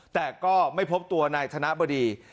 แต่ก็ไม่พบตัวนายธนบดี